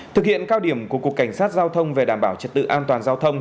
thực hiện cao điểm của cục cảnh sát giao thông về đảm bảo trật tự an toàn giao thông